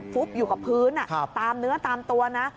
ฟุบอยู่กับพื้นตามเนื้อตามตัวนะ